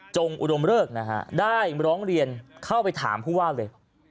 อุดมเริกนะฮะได้ร้องเรียนเข้าไปถามผู้ว่าเลย